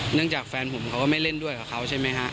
จากแฟนผมเขาก็ไม่เล่นด้วยกับเขาใช่ไหมฮะ